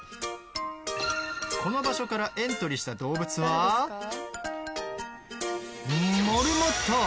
この場所からエントリーした動物はモルモット！